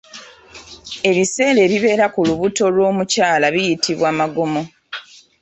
Ebiseera ebibeera ku lubuto lw’omukyala biyitibwa Magomo.